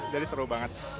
jadi seru banget